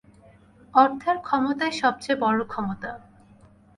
অর্থের ক্ষমতাই সবচেয়ে বড় ক্ষমতা।